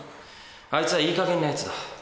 あいつはいいかげんなヤツだ。